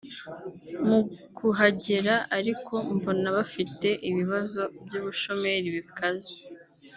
mu kuhagera ariko mbona bafite ibibazo by’ubushomeri bikaze